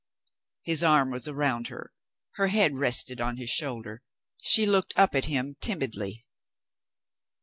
His arm was round her; her head rested on his shoulder. She looked up at him timidly.